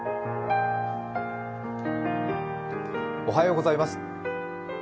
おはようございます。